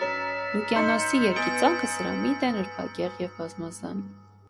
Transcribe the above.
Լուկիանոսի երգիծանքը սրամիտ է, նրբագեղ և բազմազան։